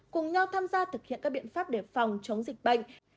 cùng nhau tham gia thực hiện các biện pháp để phòng chống dịch bệnh